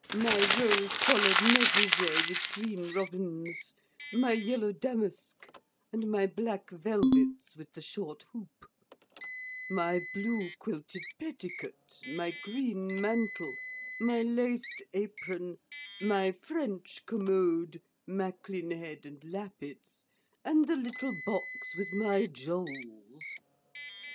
my rose collard neglejay with green robins, my yellow damask, and my black velvets with the short hoop; my bloo quilted petticot, my green mantel, my laced apron, my French commode, Macklin head and lappets and the litel box with my jowls.